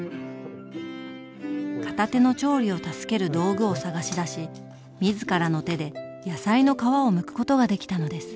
片手の調理を助ける道具を探し出し自らの手で野菜の皮をむくことができたのです。